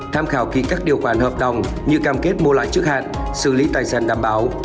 tham khảo ký các điều khoản hợp đồng như cam kết mua lại trước hạn xử lý tài sản đảm bảo